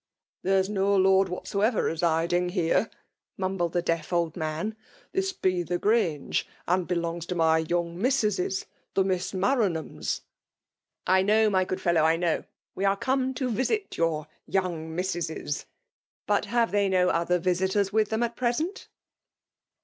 " There's no lord whatsoever residing heire," mumbled the deaf old man. *^ This be the Grange, and belongs to my young missuses, — the Miss Maranhams." I know> my good fellow, I know ! Wc ard come to visit your young missuses. But 258 FSM AI.B BOMIKlTmr. hmye they no other visiters with them at present